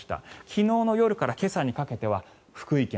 昨日の夜から今朝にかけては福井県